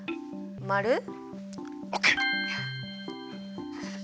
オッケー！